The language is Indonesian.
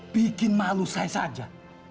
bikin malu saya saja